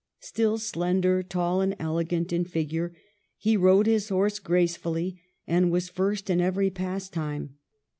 Still slender, tall, and elegant in figure, he rode his horse gracefully, and was first in every pastime.